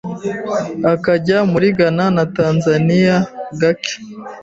akajya muri Ghana na Tanzania gake